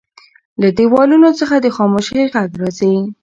له دیوالونو څخه د خاموشۍ غږ راځي.